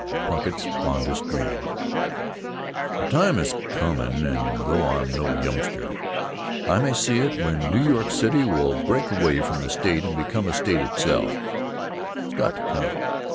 Plunkitt's Fondest Dream The time is comm' and though I'm no youngster, I may see it, when New York City will break away from the State and become a state itself. It's got to come.